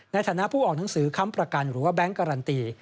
ในฐานะผู้ออกหนังสือค้ำประกันหรือว่าแก๊งการันตี